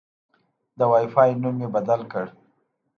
د وای فای نوم مې بدل کړ.